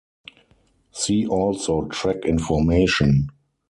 See also track information.